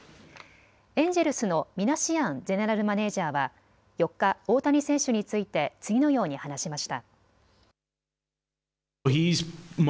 エンジェルスのミナシアンゼネラルマネージャーは４日、大谷選手について次のように話しました。